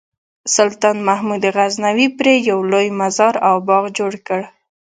سلطان محمود غزنوي پرې یو لوی مزار او باغ جوړ کړ.